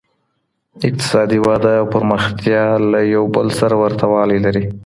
اقتصادي وده او پرمختيا له يو بل سره ورته والی لري.